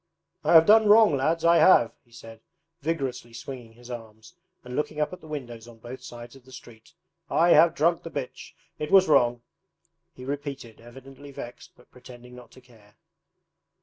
'I have done wrong, lads, I have!' he said, vigorously swinging his arms and looking up at the windows on both sides of the street. 'I have drunk the bitch; it was wrong,' he repeated, evidently vexed but pretending not to care.